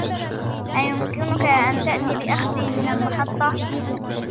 أيمكنك أن تأتي لأخذي من المحطة ؟